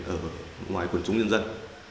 ở ngoài quần chúng nhân dân